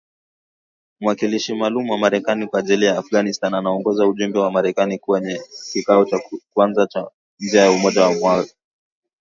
Mwakilishi maalum wa Marekani kwa ajili ya Afghanistan anaongoza ujumbe wa Marekani kwenye kikao cha kwanza kwa njia ya moja kwa moja.